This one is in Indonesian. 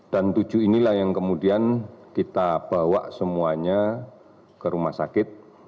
dan tujuh inilah yang kemudian kita bawa semuanya ke rumah sakit